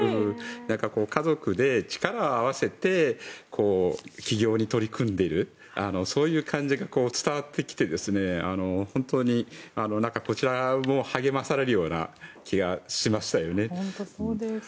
家族で力を合わせて起業に取り組んでいるそういう感情が伝わってきて本当にこちらも励まされる気がしましたよね。